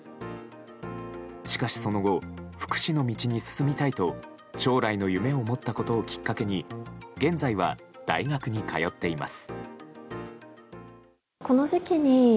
しかしその後福祉の道に進みたいと将来の夢を持ったことをきっかけに現在は大学に通っています。